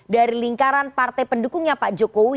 dari lingkaran partai pendukungnya pak jokowi